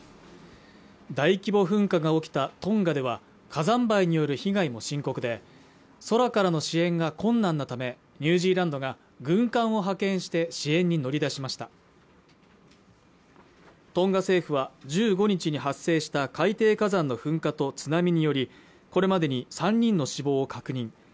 大規模噴火が起きたトンガでは火山灰による被害も深刻で空からの支援が困難なためニュージーランドが軍艦を派遣して支援に乗り出しましたトンガ政府は１５日に発生した海底火山の噴火と津波によりこれまでに３人の死亡を確認